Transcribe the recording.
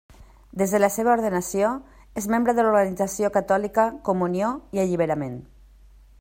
Des de la seva ordenació és membre de l'organització catòlica Comunió i Alliberament.